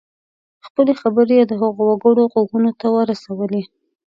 خپلې خبرې یې د هغو وګړو غوږونو ته ورسولې.